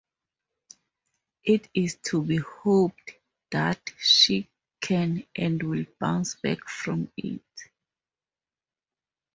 It is to be hoped that she can and will bounce back from it.